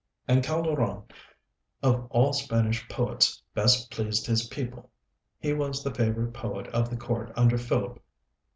And Calderon, of all Spanish poets, best pleased his people. He was the favorite poet of the court under Philip IV.